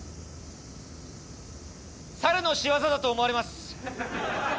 サルの仕業だと思われます。